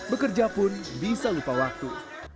bekerja pun bisa lupa waktu